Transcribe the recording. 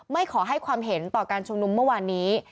ไม่ขอให้ความเห็นต่อการชุมนุมเมื่อวานนี้